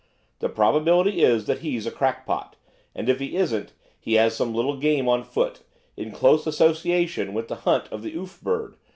The probability is that he's a crackpot; and if he isn't, he has some little game on foot in close association with the hunt of the oof bird!